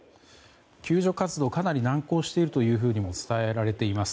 救助活動、難航していると伝えられています。